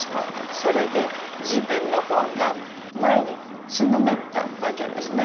それで自分の方が前につんのめったわけですね。